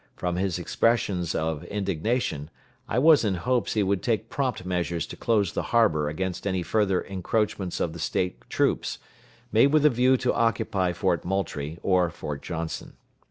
From his expressions of indignation, I was in hopes he would take prompt measures to close the harbor against any further encroachments of the State troops, made with a view to occupy Fort Moultrie or Fort Johnson.